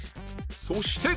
そして